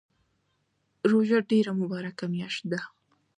روژه ډیره مبارکه میاشت ده